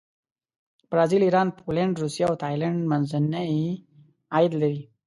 برازیل، ایران، پولینډ، روسیه او تایلنډ منځني عاید لري.